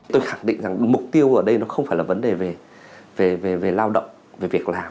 tôi khẳng định rằng mục tiêu ở đây nó không phải là vấn đề về lao động về việc làm